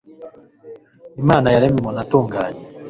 Imana yaremye umuntu atunganye.